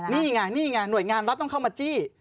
นี่ไงนี่ไงหน่วยงานรัฐต้องเข้ามาจี้